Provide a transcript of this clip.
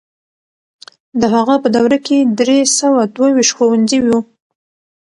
د هغه په دوره کې درې سوه دوه ويشت ښوونځي وو.